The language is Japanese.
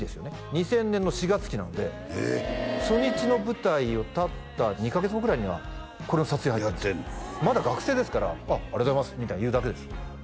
２０００年の４月期なので初日の舞台を立った２カ月後ぐらいにはこれの撮影に入ってまだ学生ですから「ありがとうございます」みたいなの言うだけですよ